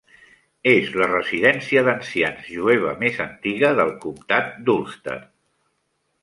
És la residència d'ancians jueva més antiga del comtat d'Ulster.